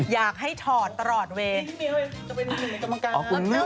อยากให้ถอดตลอดเว้ย